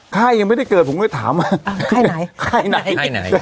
ค่ายยังไม่ได้เกิดผมเลยถามมาค่ายไหนค่ายไหนค่ายไหน